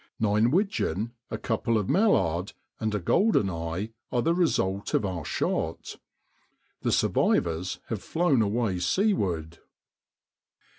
Nine widgeon, a couple of mallard, and a golden eye, are the result of our shot. The survivors have flown away seaward.